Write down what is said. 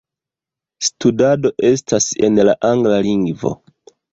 Studado estas en la angla lingvo.